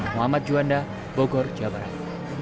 mohamad juwanda bogor jawa barat